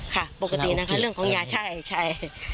ปกตินะคะเรื่องของยาใช่ใช่